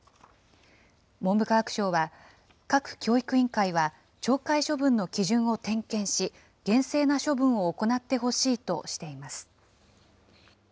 文部科学省は各教育委員会は、懲戒処分の基準を点検し、厳正な処分を行ってほしいとしています。